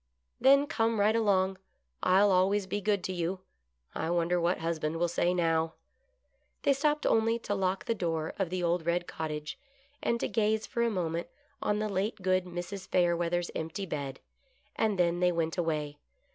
" Then come right along; I'll always be good to you ; I wonder what husband will say now ?" They stopped only to lock the door of the old red cottage, and to gaze for a moment on the late good Mrs. Fayerweather's empty bed, and then they went away.